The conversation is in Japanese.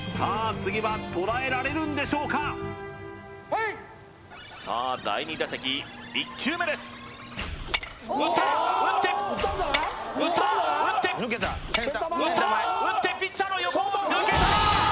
次は捉えられるんでしょうかプレイさあ第２打席１球目です打った打って打った打って打った打ってピッチャーの横を抜けたー！